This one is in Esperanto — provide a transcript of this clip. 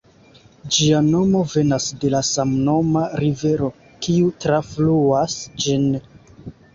Ĝia nomo venas de la samnoma rivero, kiu trafluas ĝin.